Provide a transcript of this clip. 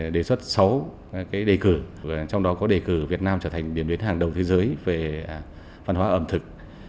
đề xuất sáu đề cử trong đó có đề cử việt nam trở thành điểm đến hàng đầu thế giới về văn hóa ẩm thực